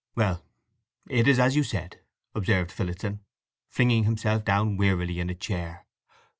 "Well; it is as you said," observed Phillotson, flinging himself down wearily in a chair.